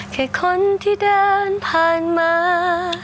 แค่คนที่เดินผ่านมา